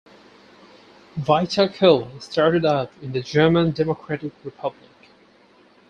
Vita Cola started out in the German Democratic Republic.